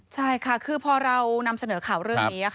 ใช่ค่ะคือพอเรานำเสนอข่าวเรื่องนี้